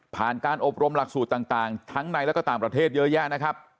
การอบรมหลักสูตรต่างทั้งในและก็ต่างประเทศเยอะแยะนะครับ